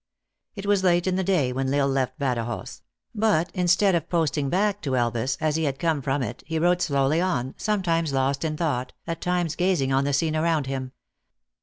It was late in the day when L Isle left Badajoz ; but instead of posting back to Elvas, as he had come from it, he rode slowly on, somatimes lost in thought, at times gazing on the scene around him.